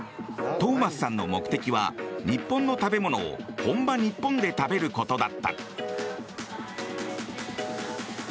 トーマスさんの目的は日本の食べ物を本場、日本で食べることだ。